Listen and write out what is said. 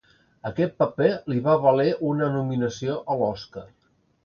Aquest paper li va valer una nominació a l'Oscar.